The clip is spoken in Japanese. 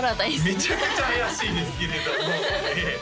めちゃくちゃ怪しいですけれどもね